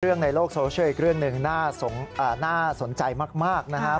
เรื่องในโลกโซเชียลอีกเรื่องหนึ่งน่าสนใจมากนะครับ